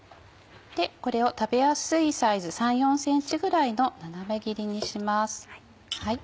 でこれを食べやすいサイズ３４ｃｍぐらいの斜め切りにします。